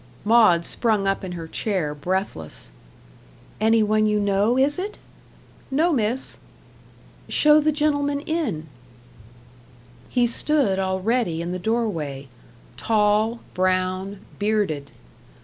Maud sprung up in her chair, breathless. "Any one you know, is it?" "No, Miss." "Show the gentleman in." He stood already in the doorway, tall, brown, bearded.